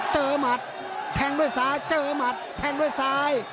หมัดแทงด้วยซ้ายเจอหมัดแทงด้วยซ้าย